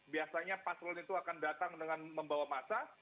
biasanya paslon itu akan datang dengan membawa masa